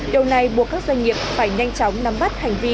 điều này buộc các doanh nghiệp phải nhanh chóng nắm bắt hành vi